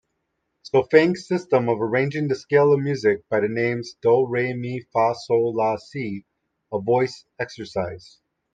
Solfaing system of arranging the scale of music by the names do, re, mi, fa, sol, la, si a voice exercise.